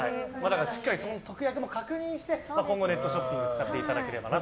しっかり特約も確認してから今後ネットショッピング使っていただければなと。